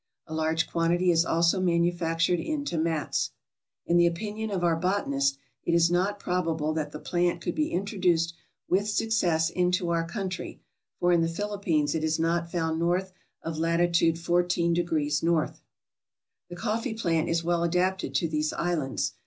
A large quantity is also manufactured into mats. In the opinion of our botanist, it is not probable that the plant could be introduced with success into our coun try, for in the Philippines it is not found north of latitude 140 N. The coffee plant is well adapted to these islands.